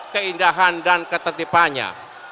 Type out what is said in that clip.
keindahan dan ketertibannya